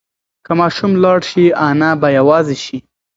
که ماشوم لاړ شي انا به یوازې شي.